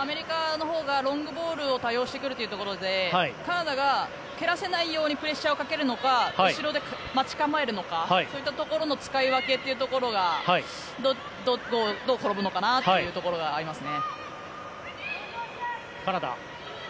アメリカのほうがロングボールを多用してくるというところでカナダが蹴らせないようにプレッシャーをかけるのか後ろで待ち構えるのかそういったところの使い分けというところがどう転ぶのかなというところがありますね。